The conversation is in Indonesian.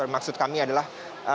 maksud kami adalah